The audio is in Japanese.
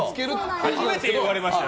初めて言われましたよ。